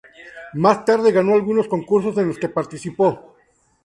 Más tarde ganó algunos concursos en los que participó.